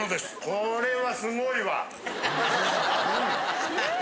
これはすごい。